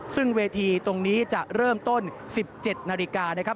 ซึ่งเวทีตรงนี้จะเริ่มต้น๑๗นาฬิกานะครับ